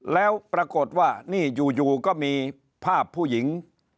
แล้วปรากฏว่านี่อยู่ก็มีภาพผู้หญิง